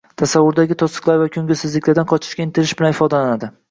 tasavvuridagi to‘siqlar va ko‘ngilsizliklardan qochishga intilish bilan ifodalanadi.